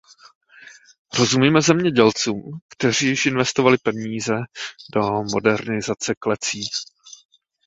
Rozumíme zemědělcům, kteří již investovali peníze do modernizace klecí.